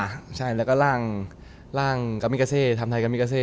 อ่ะใช่แล้วก็ร่างร่างกามิกาเซทำไทกามิกาเซ